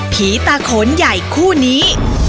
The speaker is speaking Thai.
ผีตาโขนใหญ่คู่นี้